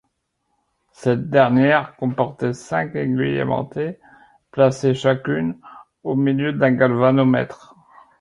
Cette dernière comportait cinq aiguilles aimantées, placées chacune au milieu d'un galvanomètre.